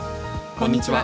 こんにちは。